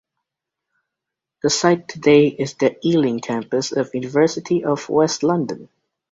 The site today is the Ealing campus of University of West London.